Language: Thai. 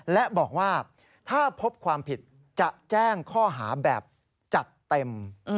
และบอกว่าถ้าพบความผิดจะแจ้งข้อหาแบบจัดเต็ม